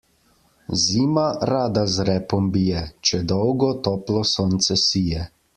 Zima rada z repom bije, če dolgo toplo sonce sije.